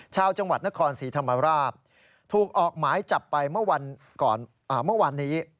ชาวจังหวัดนครศรีธรรมราชถูกออกหมายจับไปเมื่อวานนี้